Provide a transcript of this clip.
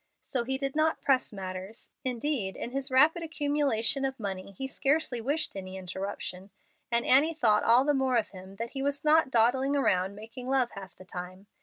So he did not press matters. Indeed in his rapid accumulation of money he scarcely wished any interruption, and Annie thought all the more of him that he was not dawdling around making love half the time.